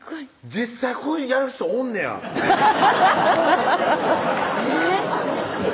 実際こういうふうにやる人おんねやえぇっ？